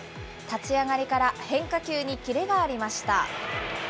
立ち上がりから、変化球にキレがありました。